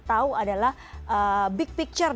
tahu adalah big picture